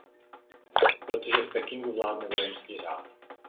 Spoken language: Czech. Protože v Pekingu vládne vojenský řád.